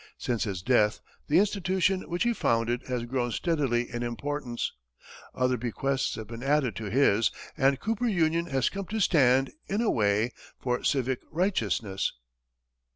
Since his death, the institution which he founded has grown steadily in importance; other bequests have been added to his, and Cooper Union has come to stand, in a way, for civic righteousness.